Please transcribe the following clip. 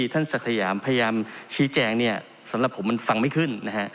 ท่านศักดิ์สยามพยายามชี้แจงเนี่ยสำหรับผมมันฟังไม่ขึ้นนะฮะ